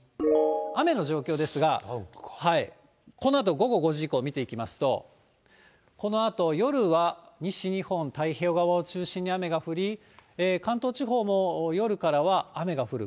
雨の状況ですが、このあと午後５時以降見ていきますと、このあと夜は西日本、太平洋側を中心に雨が降り、関東地方も夜からは雨が降る。